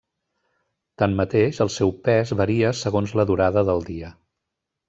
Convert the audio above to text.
Tanmateix, el seu pes varia segons la durada del dia.